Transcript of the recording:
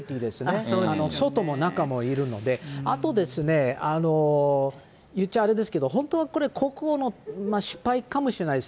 外も中もいるので、あとですね、言っちゃあれですけど、本当はこれ、国王の失敗かもしれないです。